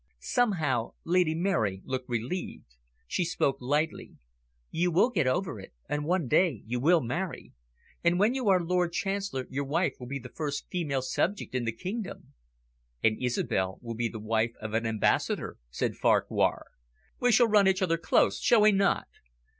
Somehow, Lady Mary looked relieved. She spoke lightly. "You will get over it, and one day you will marry. And when you are Lord Chancellor, your wife will be the first female subject in the kingdom." "And Isobel will be the wife of an Ambassador," said Farquhar. "We shall run each other close, shall we not?"